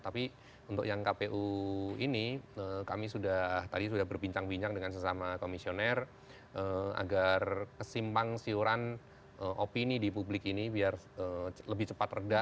tapi untuk yang kpu ini kami sudah tadi sudah berbincang bincang dengan sesama komisioner agar kesimpang siuran opini di publik ini biar lebih cepat reda